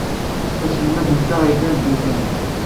Aselmad-nteɣ iban-d yukan.